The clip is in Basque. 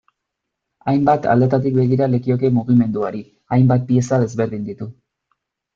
Hainbat aldetatik begira lekioke mugimenduari, hainbat pieza ezberdin ditu.